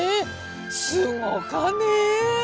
すごかねえ。